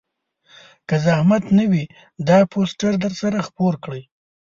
که زحمت نه وي دا پوسټر درسره خپور کړئ